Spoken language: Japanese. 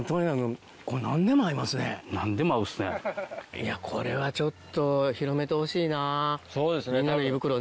いやこれはちょっと広めてほしいな。